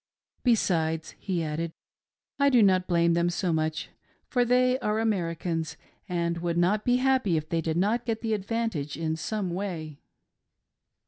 "Besides," he added, " I do not blame 386 MY SWISS FRIEND. them so much, for they are Americans and would not be happy if they did not get the advantage in some way."